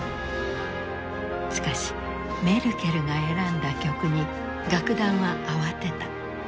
しかしメルケルが選んだ曲に楽団は慌てた。